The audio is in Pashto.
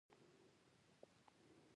د ډهل پټول اسانه دي .